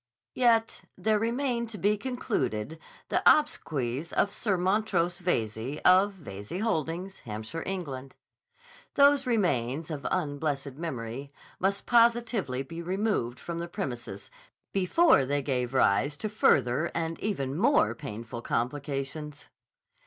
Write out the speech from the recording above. Yet there remained to be concluded the obsequies of Sir Montrose Veyze, of Veyze Holdings, Hampshire, England. Those remains, of unblessed memory, must positively be removed from the premises before they gave rise to further and even more painful complications.